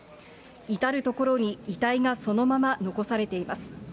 至る所に遺体がそのまま残されています。